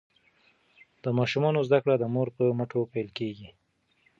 د ماشومانو زده کړې د مور په مټو پیل کیږي.